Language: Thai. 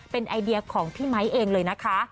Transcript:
เป็นไอเดียของพี่ไมค์เองเลยนะคะ